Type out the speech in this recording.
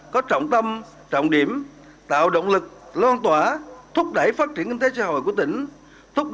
có trọng tâm trọng điểm tạo động lực loan tỏa thúc đẩy phát triển kinh tế xã hội của tỉnh